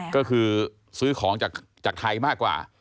ก็คือซื้อของจากไทยมากกว่า